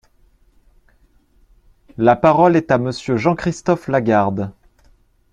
La parole est à Monsieur Jean-Christophe Lagarde.